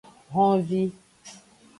Honvi.